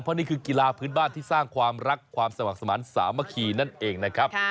เพราะนี่คือกีฬาพื้นบ้านที่สร้างความรักความสมัครสมาธิสามัคคีนั่นเองนะครับ